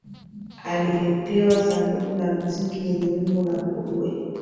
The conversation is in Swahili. aliletewa sanduku la mziki lenye umbo la nguruwe